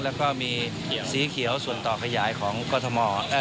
แล้วก็มีสีเขียวส่วนต่อขยายของกรทม